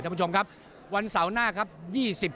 ท่านผู้ชมครับวันเสาร์หน้าครับ